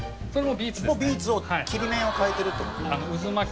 ビーツを切る面を変えてるってこと？